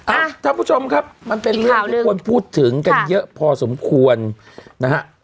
ท่านผู้ชมครับมันเป็นเรื่องที่ควรพูดถึงกันเยอะพอสมควรนะฮะ